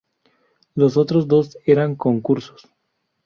Los otros dos eran concursos.